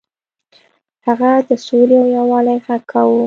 هغه د سولې او یووالي غږ کاوه.